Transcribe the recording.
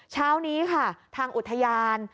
เช้านี้ค่ะทางอุทยาน